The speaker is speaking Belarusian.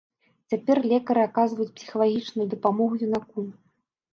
Цяпер лекары аказваюць псіхалагічную дапамогу юнаку.